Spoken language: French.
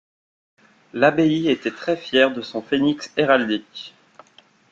L'abbaye était très fière de son phénix héraldique.